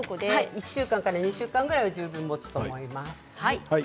１週間から２週間は十分、もつと思います。